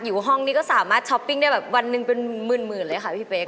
อยู่ห้องนี้ก็สามารถช้อปปิ้งได้แบบวันหนึ่งเป็นหมื่นเลยค่ะพี่เป๊ก